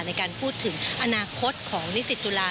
ในการพูดถึงอนาคตของนิสิตจุฬา